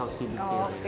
oke udah keren banget